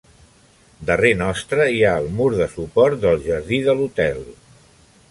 Darrer nostre hi ha el mur de suport del jardí de l'hotel.